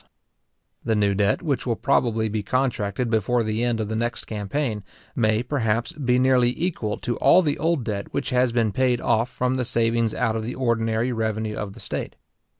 } The new debt which will probably be contracted before the end of the next campaign, may, perhaps, be nearly equal to all the old debt which has been paid off from the savings out of the ordinary revenue of the state.